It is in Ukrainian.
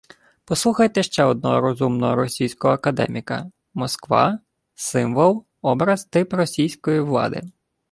Послухайте ще одного розумного російського академіка: «Москва – Символ, Образ, Тип Російської влади